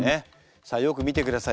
さあよく見てください。